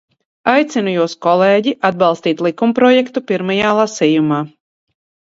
Aicinu jūs, kolēģi, atbalstīt likumprojektu pirmajā lasījumā!